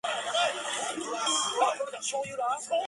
He received the Order of the Rising Sun from the Emperor of Japan.